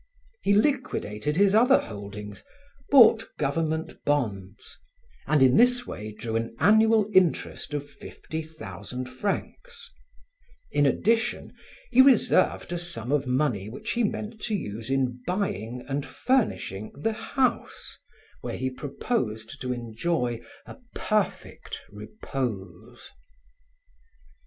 He liquidated his other holdings, bought government bonds and in this way drew an annual interest of fifty thousand francs; in addition, he reserved a sum of money which he meant to use in buying and furnishing the house where he proposed to enjoy a perfect repose.